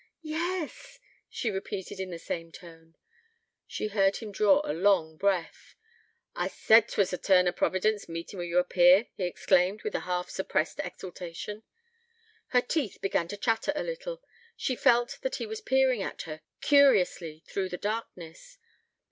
'Yes,' she repeated, in the same tone. She heard him draw a long breath. 'I said 't was a turn o' Providence, meetin' wi' ye oop here,' he exclaimed, with half suppressed exultation. Her teeth began to chatter a little: she felt that he was peering at her, curiously, through the darkness.